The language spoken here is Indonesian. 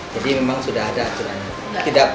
jadi memang sudah ada hasilnya